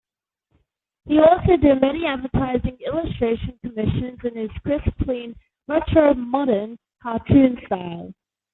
He also did many advertising illustration commissions in his crisp, clean, "retro-modern" cartoon style.